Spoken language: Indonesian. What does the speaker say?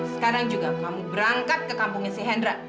sekarang juga kamu berangkat ke kampungnya sih hendra